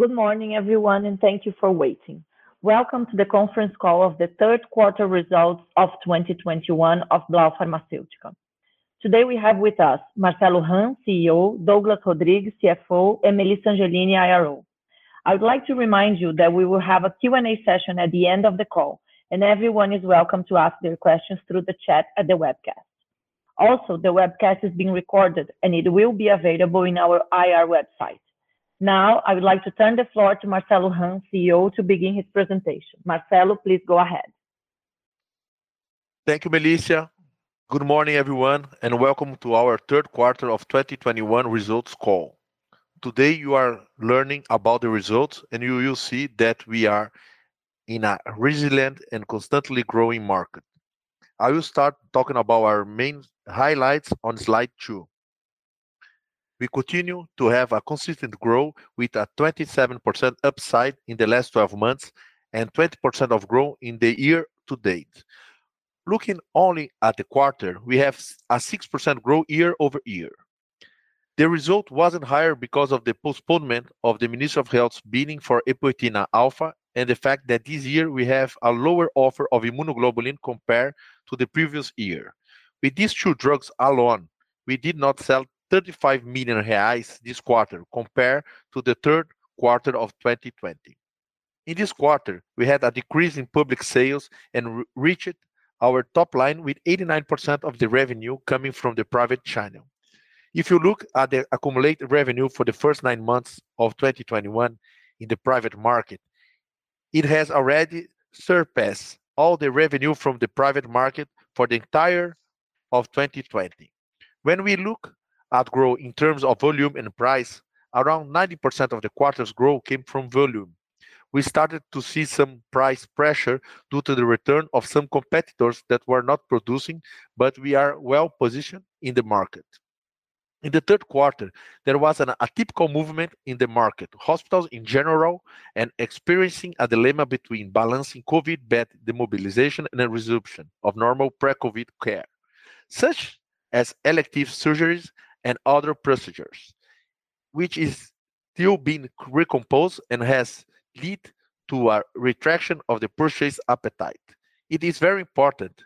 Good morning everyone, and thank you for waiting. Welcome to the conference call of the third quarter results of 2021 of Blau Farmacêutica. Today, we have with us Marcelo Hahn, CEO, Douglas Rodrigues, CFO, and Melissa Angelini, IR. I would like to remind you that we will have a Q&A session at the end of the call, and everyone is welcome to ask their questions through the chat at the webcast. Also, the webcast is being recorded and it will be available in our IR website. Now, I would like to turn the floor to Marcelo Hahn, CEO, to begin his presentation. Marcelo, please go ahead. Thank you, Melissa. Good morning, everyone, and welcome to our third quarter of 2021 results call. Today, you are learning about the results and you will see that we are in a resilient and constantly growing market. I will start talking about our main highlights on slide two. We continue to have a consistent growth with a 27% upside in the last twelve months and 20% growth in the year to date. Looking only at the quarter, we have a 6% growth year-over-year. The result wasn't higher because of the postponement of the Ministry of Health's bidding for epoetin alfa and the fact that this year we have a lower offer of immunoglobulin compared to the previous year. With these two drugs alone, we did not sell 35 million reais this quarter compared to the third quarter of 2020. In this quarter, we had a decrease in public sales and reached our top line with 89% of the revenue coming from the private channel. If you look at the accumulated revenue for the first nine months of 2021 in the private market, it has already surpassed all the revenue from the private market for the entirety of 2020. When we look at growth in terms of volume and price, around 90% of the quarter's growth came from volume. We started to see some price pressure due to the return of some competitors that were not producing, but we are well-positioned in the market. In the third quarter, there was a typical movement in the market. Hospitals in general are experiencing a dilemma between balancing COVID bed demobilization and a resumption of normal pre-COVID care, such as elective surgeries and other procedures, which is still being recomposed and has led to a retraction of the purchase appetite. It is very important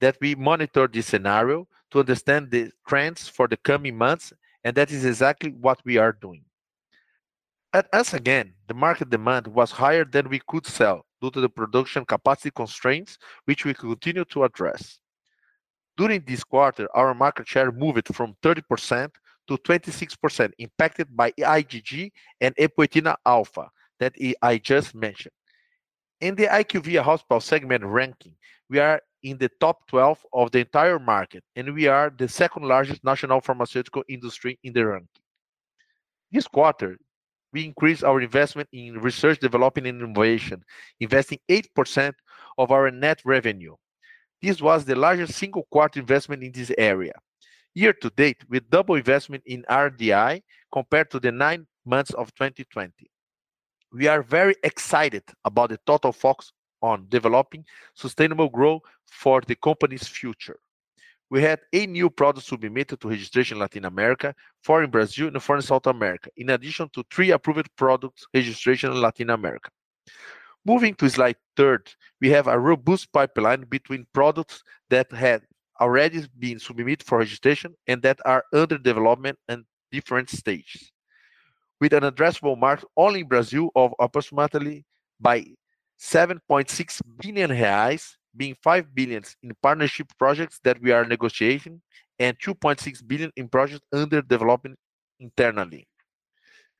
that we monitor this scenario to understand the trends for the coming months, and that is exactly what we are doing. For us again, the market demand was higher than we could sell due to the production capacity constraints, which we continue to address. During this quarter, our market share moved from 30% to 26%, impacted by IgG and alfaepoetina that I just mentioned. In the IQVIA Hospital segment ranking, we are in the top 12 of the entire market, and we are the second-largest national pharmaceutical industry in the ranking. This quarter, we increased our investment in research development and innovation, investing 8% of our net revenue. This was the largest single quarter investment in this area. Year to date, we double investment in RD&I compared to the nine months of 2020. We are very excited about the total focus on developing sustainable growth for the company's future. We had eight new products submitted to registration in Latin America, four in Brazil and four in South America, in addition to three approved products registration in Latin America. Moving to slide three, we have a robust pipeline between products that had already been submitted for registration and that are under development in different stages. With an addressable market only in Brazil of approximately 7.6 billion reais, being 5 billion in partnership projects that we are negotiating and 2.6 billion in projects under development internally.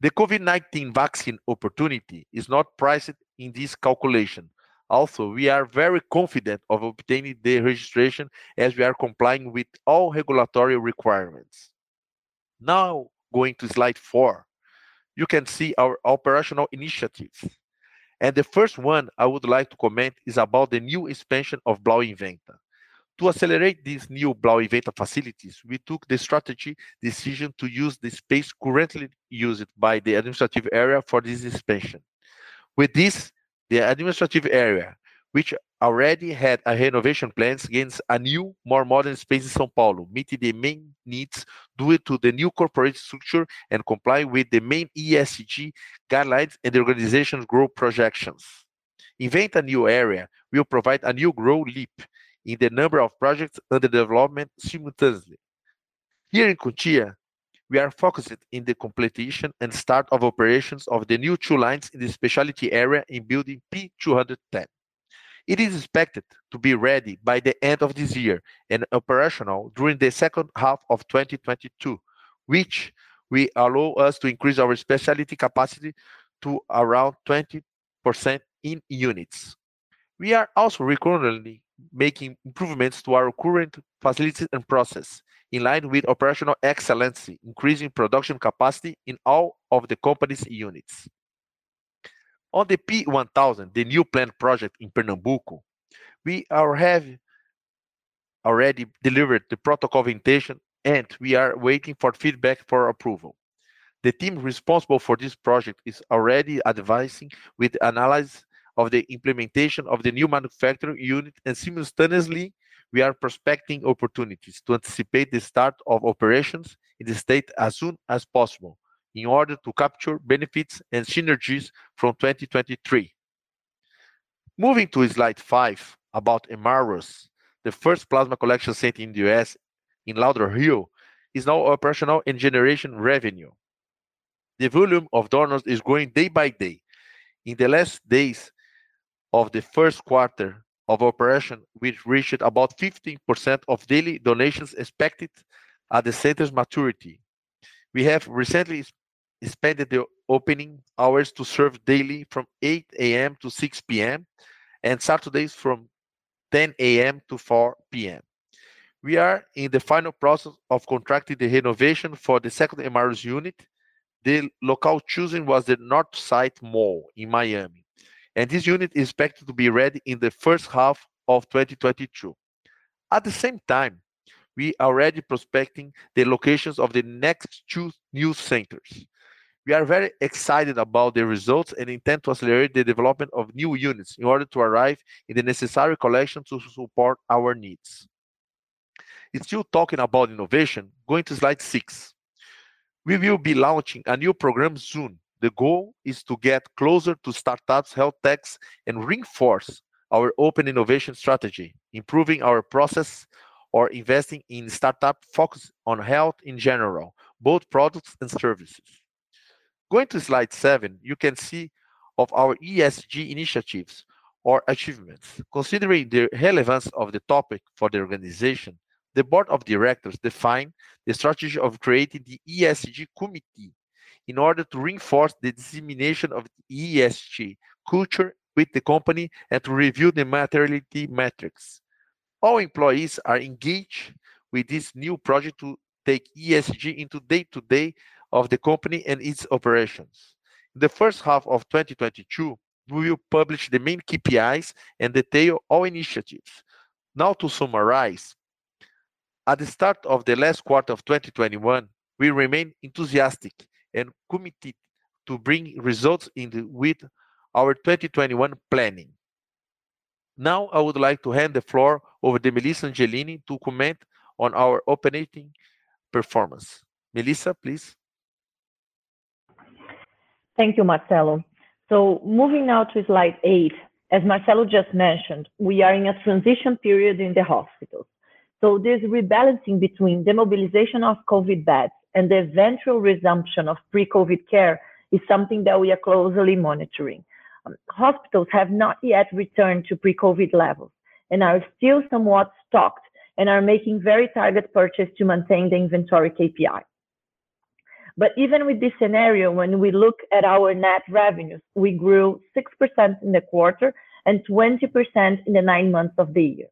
The COVID-19 vaccine opportunity is not priced in this calculation. Also, we are very confident of obtaining the registration as we are complying with all regulatory requirements. Now, going to slide four, you can see our operational initiatives. The first one I would like to comment is about the new expansion of Blau Inventta. To accelerate these new Blau Inventta facilities, we took the strategic decision to use the space currently used by the administrative area for this expansion. With this, the administrative area, which already had a renovation plans, gains a new, more modern space in São Paulo, meeting the main needs due to the new corporate structure and comply with the main ESG guidelines and the organization's growth projections. Inventta new area will provide a new growth leap in the number of projects under development simultaneously. Here in Cotia, we are focused in the completion and start of operations of the new two lines in the specialty area in building P-210. It is expected to be ready by the end of this year and operational during the second half of 2022, which will allow us to increase our specialty capacity to around 20% in units. We are also regularly making improvements to our current facilities and process in line with operational excellence, increasing production capacity in all of the company's units. On the P-1000, the new plant project in Pernambuco, we have already delivered the protocol invitation, and we are waiting for feedback for approval. The team responsible for this project is already advancing with analysis of the implementation of the new manufacturing unit, and simultaneously, we are prospecting opportunities to anticipate the start of operations in the state as soon as possible in order to capture benefits and synergies from 2023. Moving to slide five about Hemarus. The first plasma collection center in the U.S. in Lauderhill is now operational, generating revenue. The volume of donors is growing day by day. In the last days of the first quarter of operation, we reached about 15% of daily donations expected at the center's maturity. We have recently expanded the opening hours to serve daily from 8:00 A.M. to 6:00 P.M., and Saturdays from 10:00 A.M. to 4:00 P.M. We are in the final process of contracting the renovation for the second Hemarus unit. The location chosen was the Northside Shopping Center in Miami, and this unit is expected to be ready in the first half of 2022. At the same time, we are already prospecting the locations of the next two new centers. We are very excited about the results and intend to accelerate the development of new units in order to arrive at the necessary collection to support our needs. Still talking about innovation, going to slide six. We will be launching a new program soon. The goal is to get closer to startups, health techs, and reinforce our open innovation strategy, improving our process or investing in startup focused on health in general, both products and services. Going to slide seven, you can see our ESG initiatives or achievements. Considering the relevance of the topic for the organization, the board of directors define the strategy of creating the ESG committee in order to reinforce the dissemination of ESG culture with the company and to review the materiality metrics. All employees are engaged with this new project to take ESG into day-to-day of the company and its operations. In the first half of 2022, we will publish the main KPIs and detail all initiatives. Now to summarize. At the start of the last quarter of 2021, we remain enthusiastic and committed to bring results in line with our 2021 planning. Now, I would like to hand the floor over to Melissa Angelini to comment on our operating performance. Melissa, please. Thank you, Marcelo. Moving now to slide eight. As Marcelo just mentioned, we are in a transition period in the hospitals. This rebalancing between the mobilization of COVID beds and the eventual resumption of pre-COVID care is something that we are closely monitoring. Hospitals have not yet returned to pre-COVID levels and are still somewhat stocked and are making very targeted purchase to maintain the inventory KPI. Even with this scenario, when we look at our net revenues, we grew 6% in the quarter and 20% in the nine months of the year.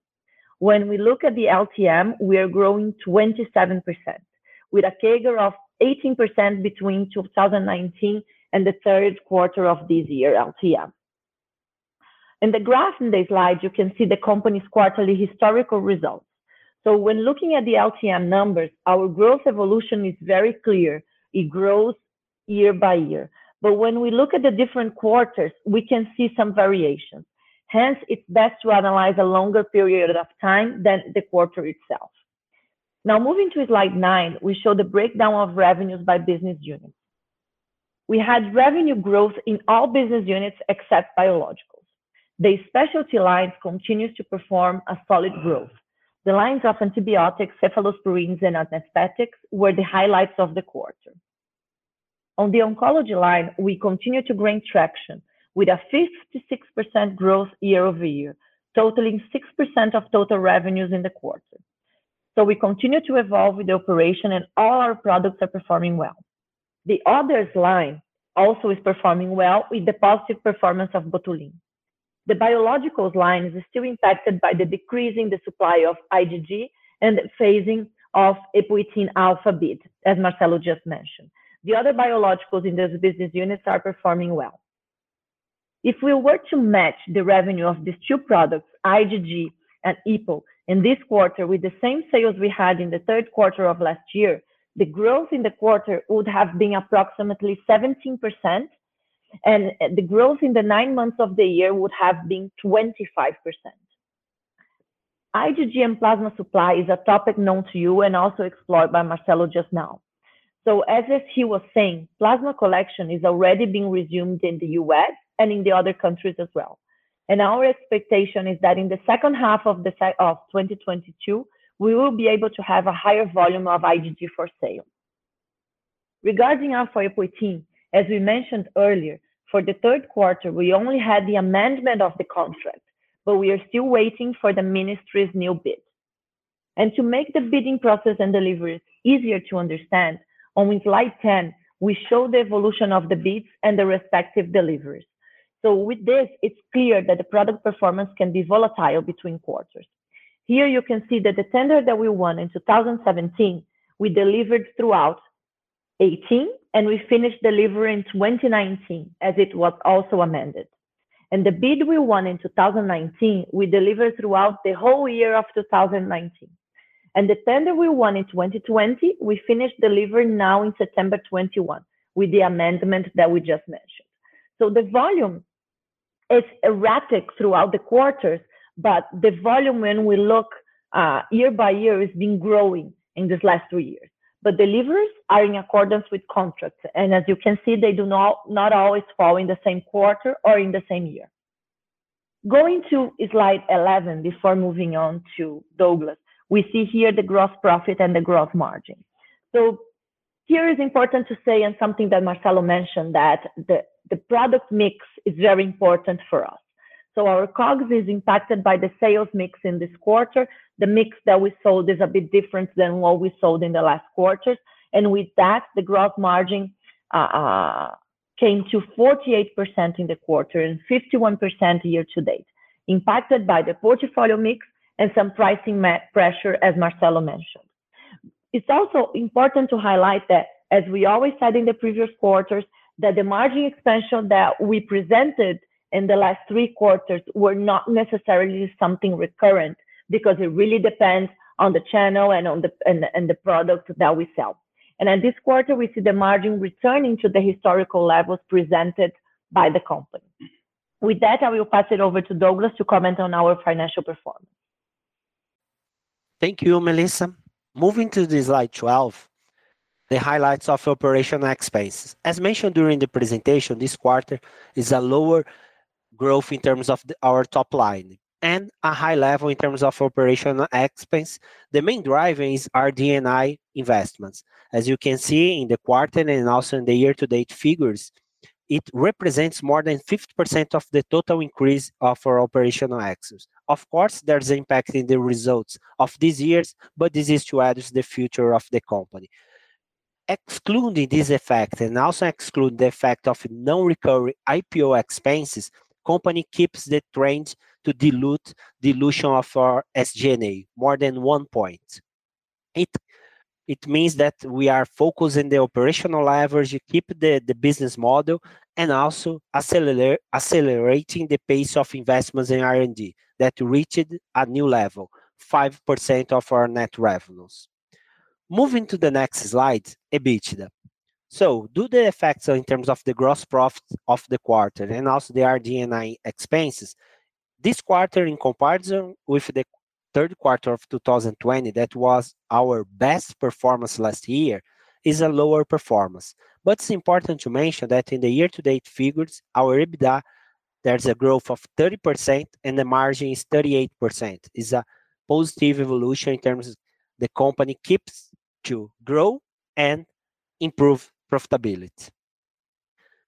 When we look at the LTM, we are growing 27% with a CAGR of 18% between 2019 and the third quarter of this year LTM. In the graph in this slide, you can see the company's quarterly historical results. When looking at the LTM numbers, our growth evolution is very clear. It grows year by year. When we look at the different quarters, we can see some variations. Hence, it's best to analyze a longer period of time than the quarter itself. Now moving to slide nine, we show the breakdown of revenues by business units. We had revenue growth in all business units except biologicals. The specialty lines continues to perform a solid growth. The lines of antibiotics, cephalosporins, and anesthetics were the highlights of the quarter. On the oncology line, we continue to gain traction with a 56% growth year-over-year, totaling 6% of total revenues in the quarter. We continue to evolve with the operation and all our products are performing well. The others line also is performing well with the positive performance of Botulim. The biologicals line is still impacted by the decrease in the supply of IgG and the phasing of epoetin alfa bid, as Marcelo just mentioned. The other biologicals in this business unit are performing well. If we were to match the revenue of these two products, IgG and EPO, in this quarter with the same sales we had in the third quarter of last year, the growth in the quarter would have been approximately 17%, and the growth in the nine months of the year would have been 25%. IgG and plasma supply is a topic known to you and also explored by Marcelo just now. As he was saying, plasma collection is already being resumed in the U.S. and in the other countries as well. Our expectation is that in the second half of 2022, we will be able to have a higher volume of IgG for sale. Regarding our epoetin, as we mentioned earlier, for the third quarter, we only had the amendment of the contract, but we are still waiting for the ministry's new bid. To make the bidding process and deliveries easier to understand, on slide 10, we show the evolution of the bids and the respective deliveries. With this, it's clear that the product performance can be volatile between quarters. Here you can see that the tender that we won in 2017, we delivered throughout 2018, and we finished delivery in 2019 as it was also amended. The bid we won in 2019, we delivered throughout the whole year of 2019. The tender we won in 2020, we finished delivery now in September 2021 with the amendment that we just mentioned. The volume is erratic throughout the quarters, but the volume, when we look, year-by-year, has been growing in these last three years. Deliveries are in accordance with contracts. As you can see, they do not always fall in the same quarter or in the same year. Going to slide 11 before moving on to Douglas. We see here the gross profit and the gross margin. It is important to say here, and something that Marcelo mentioned, that the product mix is very important for us. Our COGS is impacted by the sales mix in this quarter. The mix that we sold is a bit different than what we sold in the last quarter. With that, the growth margin came to 48% in the quarter and 51% year to date, impacted by the portfolio mix and some pricing pressure, as Marcelo mentioned. It's also important to highlight that, as we always said in the previous quarters, that the margin expansion that we presented in the last three quarters were not necessarily something recurrent because it really depends on the channel and on the product that we sell. In this quarter, we see the margin returning to the historical levels presented by the company. With that, I will pass it over to Douglas to comment on our financial performance. Thank you, Melissa. Moving to slide 12, the highlights of operational expenses. As mentioned during the presentation, this quarter is a lower growth in terms of our top line and a high level in terms of operational expense. The main driver is our RD&I investments. As you can see in the quarter and also in the year to date figures, it represents more than 50% of the total increase of our operational expenses. Of course, there's impact in the results of this year, but this is to aid the future of the company. Excluding this effect and also excluding the effect of non-recurring IPO expenses, the company keeps the trend to dilute dilution of our SG&A more than 1 point. It means that we are focusing the operational leverage, keep the business model and also accelerating the pace of investments in R&D that reached a new level, 5% of our net revenues. Moving to the next slide, EBITDA. Due to the effects in terms of the gross profit of the quarter and also the R&D and SG&A expenses, this quarter, in comparison with the third quarter of 2020, that was our best performance last year, is a lower performance. It's important to mention that in the year to date figures, our EBITDA, there's a growth of 30% and the margin is 38%, is a positive evolution in terms of the company keeps to grow and improve profitability.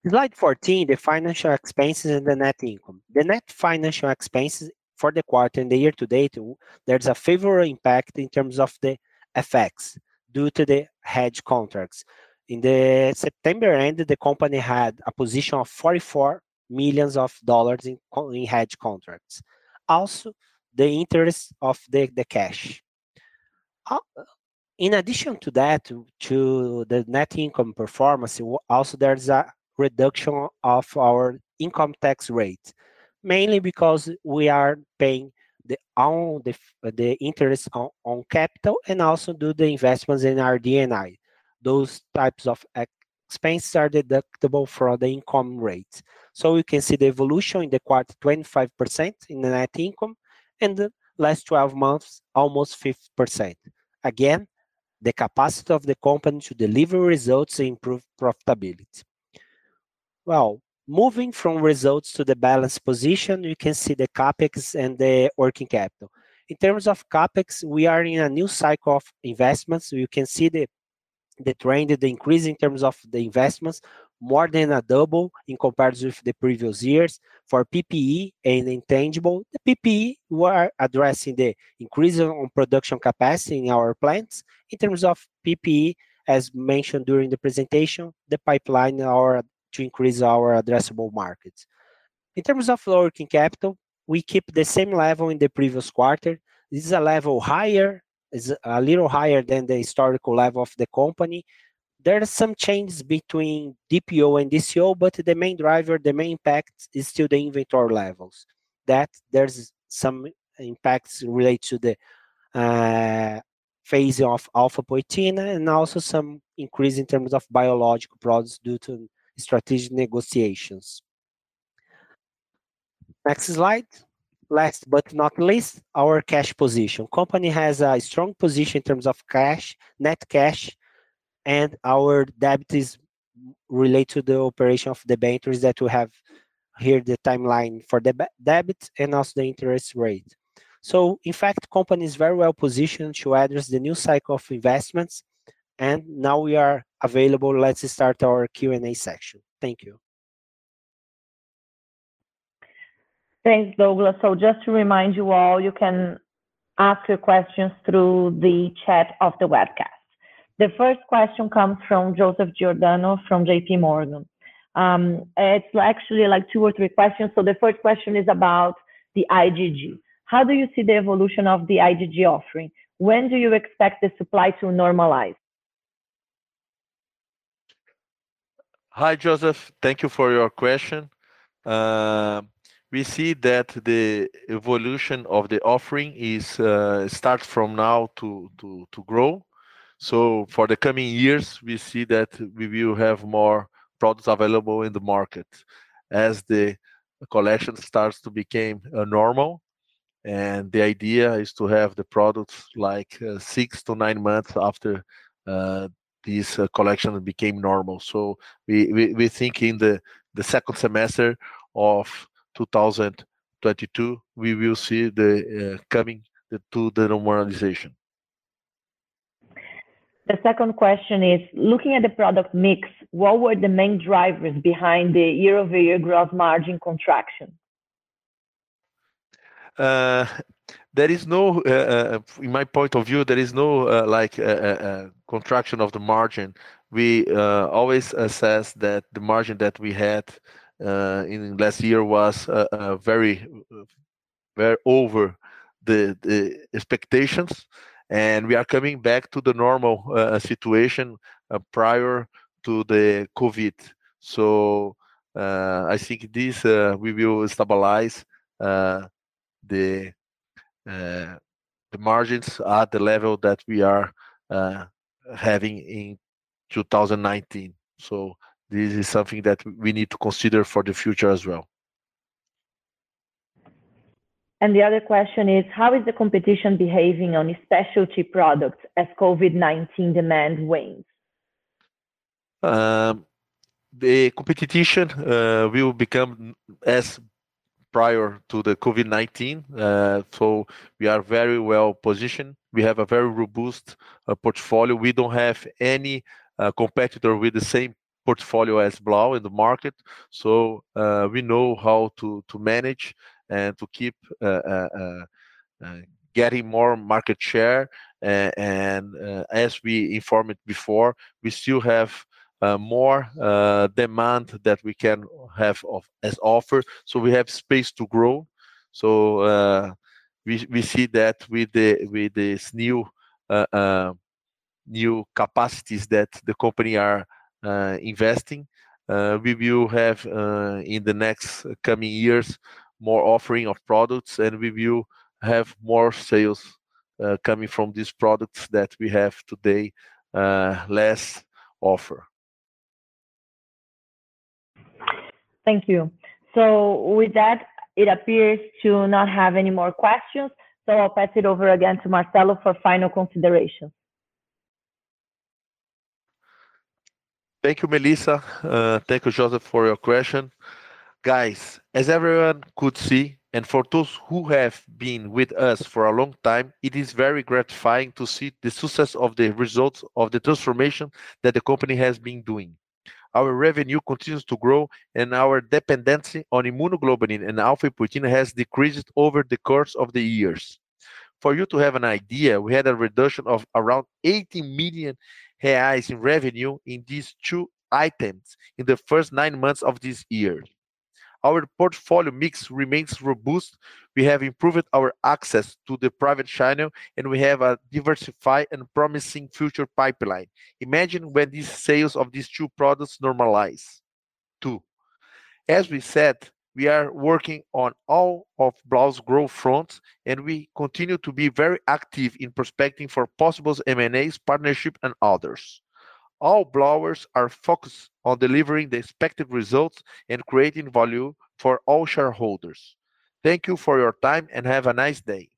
Slide 14, the financial expenses and the net income. The net financial expenses for the quarter and the year to date, there's a favorable impact in terms of the effects due to the hedge contracts. In the September end, the company had a position of $44 million in hedge contracts. Also the interest of the cash. In addition to that, to the net income performance, also there's a reduction of our income tax rate, mainly because we are paying the interest on capital and also due to the investments in R&D and I. Those types of expenses are deductible for the income rates. We can see the evolution in the quarter, 25% in the net income, and the last twelve months, almost 50%. Again, the capacity of the company to deliver results improve profitability. Well, moving from results to the balance position, you can see the CapEx and the working capital. In terms of CapEx, we are in a new cycle of investments. You can see the trend, the increase in terms of the investments, more than a double in comparison with the previous years. For PPE and intangible, the PPE, we are addressing the increase on production capacity in our plants. In terms of PPE, as mentioned during the presentation, the pipeline are to increase our addressable markets. In terms of working capital, we keep the same level in the previous quarter. This is a little higher than the historical level of the company. There are some changes between DPO and DSO, but the main driver, the main impact is still the inventory levels. That there's some impacts relate to the phasing of alfaepoetina and also some increase in terms of biological products due to strategic negotiations. Next slide. Last but not least, our cash position. Company has a strong position in terms of cash, net cash, and our debt is related to the operation of the facilities that we have here, the timeline for debt and also the interest rate. In fact, company is very well positioned to address the new cycle of investments, and now we are available. Let's start our Q&A section. Thank you. Thanks, Douglas. Just to remind you all, you can ask your questions through the chat of the webcast. The first question comes from Joseph Giordano from JP Morgan. It's actually like two or three questions. The first question is about the IgG. How do you see the evolution of the IgG offering? When do you expect the supply to normalize? Hi, Joseph. Thank you for your question. We see that the evolution of the offering is to start from now to grow. For the coming years, we see that we will have more products available in the market as the collection starts to become normal. The idea is to have the products like six to nine months after this collection become normal. We think in the second semester of 2022, we will see the coming to the normalization. The second question is, looking at the product mix, what were the main drivers behind the year-over-year growth margin contraction? In my point of view, there is no, like, contraction of the margin. We always assess that the margin that we had in last year was very over the expectations and we are coming back to the normal situation prior to the COVID. I think we will stabilize the margins at the level that we are having in 2019. This is something that we need to consider for the future as well. The other question is, how is the competition behaving on specialty products as COVID-19 demand wanes? The competition will become as prior to the COVID-19. We are very well-positioned. We have a very robust portfolio. We don't have any competitor with the same portfolio as Blau in the market. We know how to manage and to keep getting more market share. As we informed before, we still have more demand than we can offer, so we have space to grow. We see that with this new capacities that the company are investing. We will have in the next coming years more offering of products, and we will have more sales coming from these products that we have today, less offer. Thank you. With that, it appears to not have any more questions, so I'll pass it over again to Marcelo for final consideration. Thank you, Melissa. Thank you, Joseph, for your question. Guys, as everyone could see, and for those who have been with us for a long time, it is very gratifying to see the success of the results of the transformation that the company has been doing. Our revenue continues to grow and our dependency on immunoglobulin and alfaepoetina has decreased over the course of the years. For you to have an idea, we had a reduction of around 80 million reais in revenue in these two items in the first nine months of this year. Our portfolio mix remains robust. We have improved our access to the private channel, and we have a diversified and promising future pipeline. Imagine when these sales of these two products normalize too. As we said, we are working on all of Blau's growth fronts, and we continue to be very active in prospecting for possible M&As, partnerships, and others. All Blauers are focused on delivering the expected results and creating value for all shareholders. Thank you for your time and have a nice day.